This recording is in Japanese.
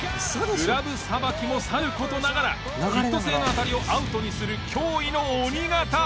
グラブさばきも去る事ながらヒット性の当たりをアウトにする脅威の鬼肩。